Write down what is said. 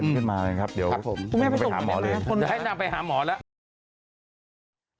ขึ้นมาเลยนะครับก็ไปหาหมอเลย